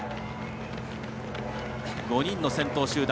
５人の先頭集団。